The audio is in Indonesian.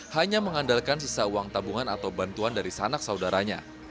hanya mengandalkan sisa uang tabungan atau bantuan dari sanak saudaranya